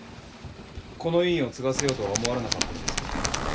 この医院を継がせようとは思われなかったのですか？